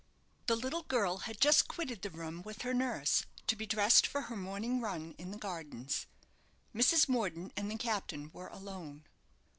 The little girl had just quitted the room with her nurse, to be dressed for her morning run in the gardens. Mrs. Morden and the captain were alone.